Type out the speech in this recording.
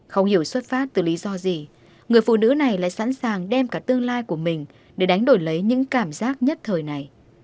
không hiểu xuất phát từ lý do gì người phụ nữ này lại sẵn sàng đem cả tương lai của mình để đánh đổi lấy những cảm giác nhất thời này